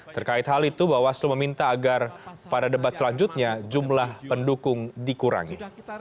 terkait hal itu bawaslu meminta agar pada debat selanjutnya jumlah pendukung dikurangi